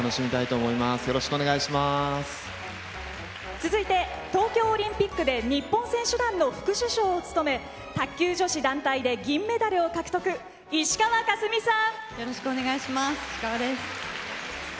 続いて東京オリンピックで日本選手団の副主将を務め卓球女子団体で銀メダルを獲得石川佳純さん。